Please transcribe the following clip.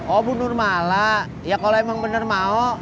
oh bu nur mala ya kalo emang bener mau